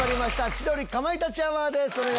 『千鳥かまいたちアワー』です。